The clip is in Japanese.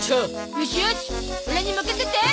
よしよしオラに任せて！